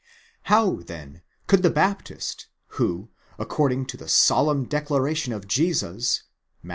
How, then, could the Baptist, who, according to the solemn declaration of Jesus, Matt.